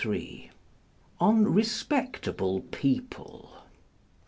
On Respectable People.